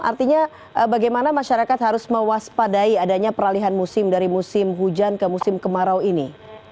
artinya bagaimana masyarakat harus mewaspadai adanya peralihan musim dari musim hujan ke musim kemarau ini